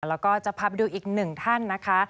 แล้วก็จะพาไปดูอีกหนึ่งท่านนะคะ